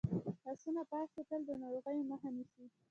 لاسونه پاک ساتل د ناروغیو مخه نیسي.